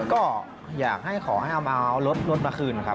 ก็อยากให้ขอให้เอามาเอารถมาคืนนะครับ